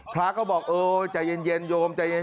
พระก็บอกเออใจเย็นโยม